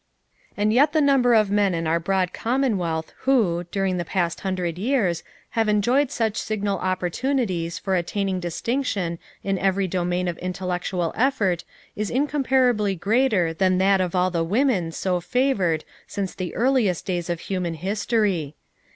And yet the number of men in our broad commonwealth who, during the past hundred years, have enjoyed such signal opportunities for attaining distinction in every domain of intellectual effort is incomparably greater than that of all the women so favored since the earliest days of human history.